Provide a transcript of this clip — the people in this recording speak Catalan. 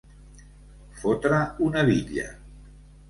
Fotre una bitlla.